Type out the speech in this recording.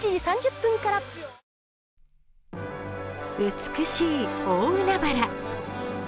美しい大海原。